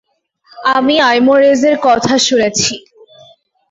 আমি আইমোরেজের কথা শুনেছি।